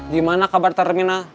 gimana kabar terminal